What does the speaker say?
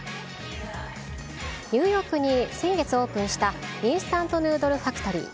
ニューヨークに先月オープンした、インスタントヌードルファクトリー。